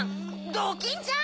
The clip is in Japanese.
ドキンちゃん！